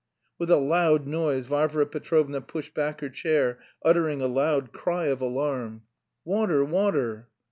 _" With a loud noise, Varvara Petrovna pushed back her chair, uttering a loud cry of alarm. "Water, water!"